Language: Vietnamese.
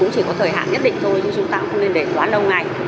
thì có thời hạn nhất định thôi nhưng chúng ta không nên để quá lâu ngày